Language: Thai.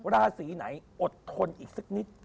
ราศีไหนอดทนอีกสักนิด